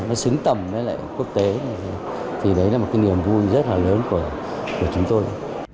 nó xứng tầm với lại quốc tế thì đấy là một cái niềm vui rất là lớn của chúng tôi